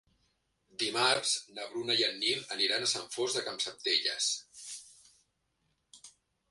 Dimarts na Bruna i en Nil aniran a Sant Fost de Campsentelles.